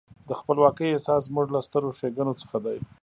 د خپلواکۍ احساس زموږ له سترو ښېګڼو څخه دی.